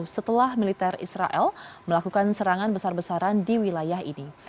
setelah militer israel melakukan serangan besar besaran di wilayah ini